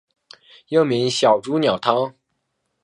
又名小朱鸟汤。